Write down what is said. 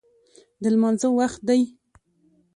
د لمانځه وخت دی